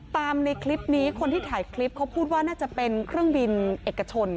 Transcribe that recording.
ในคลิปนี้คนที่ถ่ายคลิปเขาพูดว่าน่าจะเป็นเครื่องบินเอกชน